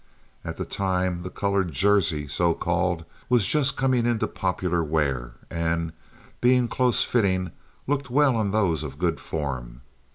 At that time the colored "jersey," so called, was just coming into popular wear, and, being close fitting, looked well on those of good form.